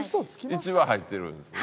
１は入ってるんですね？